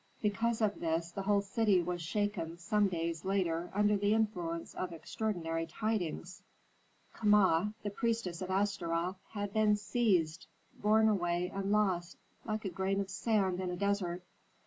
Because of this the whole city was shaken some days later under the influence of extraordinary tidings: Kama, the priestess of Astaroth, had been seized, borne away and lost, like a grain of sand in a desert.